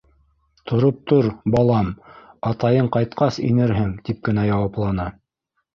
— Тороп тор, балам, атайың ҡайтҡас инерһең, — тип кенә яуапланы.